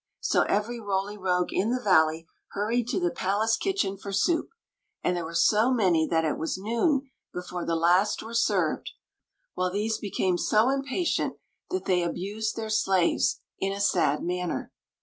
So every Roly Rogue in the valley hurried to the palace kitchen for soup ; and there were so many that it was noon before the last were served, while these became so impatient that they abused their slaves m a sad manner.